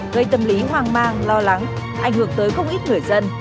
gây tâm lý hoang mang lo lắng ảnh hưởng tới không ít người dân